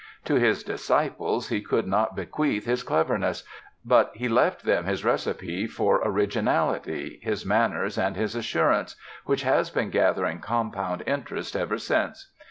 To his disciples he could not bequeath his cleverness; but he left them his recipe for originality, his manners and his assurance, which has been gathering compound interest ever since.